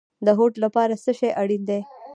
د هوډ لپاره څه شی اړین دی؟